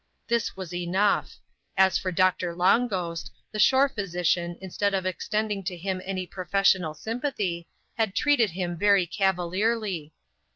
This was enough. As for Doctor Long Ghost, the shore phy sician, instead of extending to him any professional sympathy, had treated him very cavalierly.